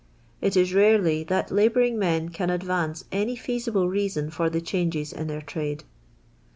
It is rarely that labouring men can advance any feasible reason for the changes in their trade.